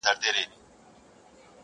پسرلی سو ژمی ولاړی مخ یې تور سو!!